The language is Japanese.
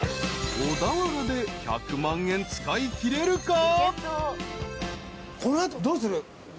［小田原で１００万円使いきれるか？］